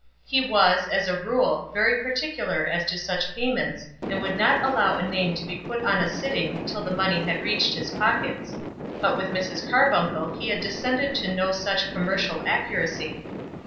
He was, as a rule, very particular as to such payments, and would not allow a name to be put on a sitting till the money had reached his pockets; but with Mrs. Carbuncle he had descended to no such commercial accuracy.